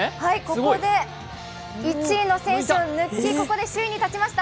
ここで１位の選手を抜き、首位に立ちました。